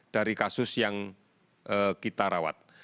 dari kasus yang kita rawat